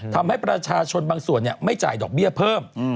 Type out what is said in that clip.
ทำให้ประชาชนบางส่วนไม่จ่ายดอกเบี้ยเพิ่ม